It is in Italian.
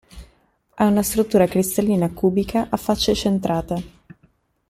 Ha una struttura cristallina cubica a facce centrate.